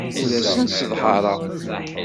Ur asen-sseḍhareɣ.